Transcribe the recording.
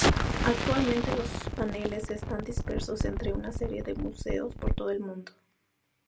Actualmente los paneles están dispersos entre una serie de museos por todo el mundo.